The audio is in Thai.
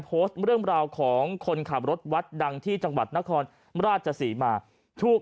โพสต์เรื่องราวของคนขับรถวัดดังที่จังหวัดนครราชศรีมาถูก